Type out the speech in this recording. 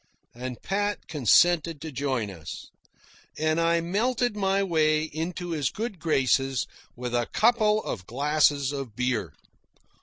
And Pat consented to join us, and I melted my way into his good graces with a couple of glasses of beer.